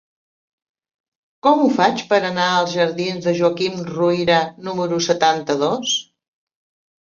Com ho faig per anar als jardins de Joaquim Ruyra número setanta-dos?